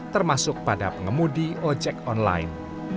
termasuk pada pengemudi ojek online